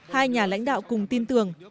hai nhà lãnh đạo cùng tin tưởng